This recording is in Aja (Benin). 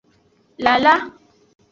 Lala.